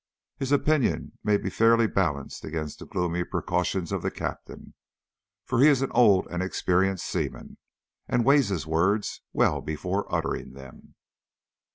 His opinion may be fairly balanced against the gloomy precautions of the Captain, for he is an old and experienced seaman, and weighs his words well before uttering them.